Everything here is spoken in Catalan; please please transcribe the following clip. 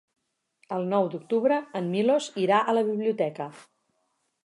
El nou d'octubre en Milos irà a la biblioteca.